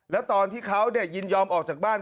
แล้วตอนที่เขายินยอมออกจากบ้าน